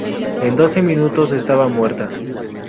En doce minutos estaba muerta.